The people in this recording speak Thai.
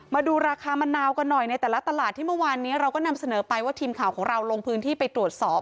มาดูราคามะนาวกันหน่อยในแต่ละตลาดที่เมื่อวานนี้เราก็นำเสนอไปว่าทีมข่าวของเราลงพื้นที่ไปตรวจสอบ